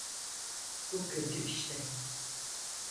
Bu kötü işte.